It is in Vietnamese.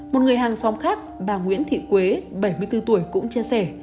một người hàng xóm khác bà nguyễn thị quế bảy mươi bốn tuổi cũng chia sẻ